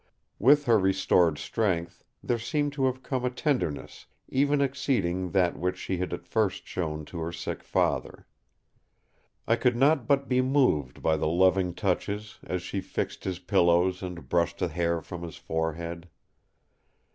With her restored strength, there seemed to have come a tenderness even exceeding that which she had at first shown to her sick father. I could not but be moved by the loving touches as she fixed his pillows and brushed the hair from his forehead.